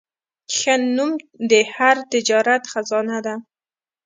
ښه نوم د هر تجارت خزانه ده.